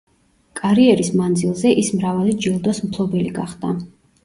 კარიერის მანძილზე ის მრავალი ჯილდოს მფლობელი გახდა.